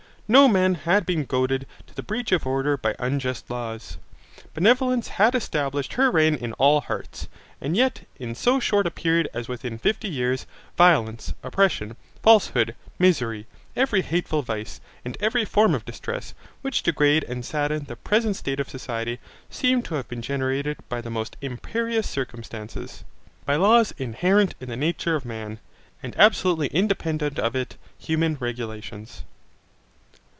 No man had been goaded to the breach of order by unjust laws. Benevolence had established her reign in all hearts: and yet in so short a period as within fifty years, violence, oppression, falsehood, misery, every hateful vice, and every form of distress, which degrade and sadden the present state of society, seem to have been generated by the most imperious circumstances, by laws inherent in the nature of man, and absolutely independent of it human regulations.